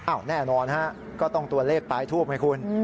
แน่นอนฮะก็ต้องตัวเลขปลายทูปไงคุณ